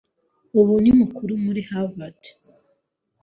Ubu ni mukuru muri Harvard.